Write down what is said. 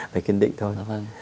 phải kiên định thôi